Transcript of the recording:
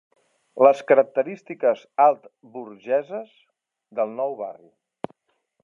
Les característiques altburgeses del nou barri.